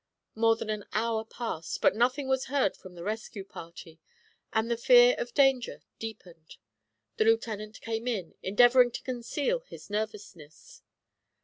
More than an hour passed, but nothing was heard from the rescue party, and the fear of danger deepened. The Lieutenant came in, endeavouring to conceal his nervousness.